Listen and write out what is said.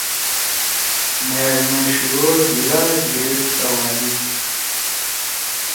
مأݜ میݜی او ہیِلا گھیِریِڈ سوادی۔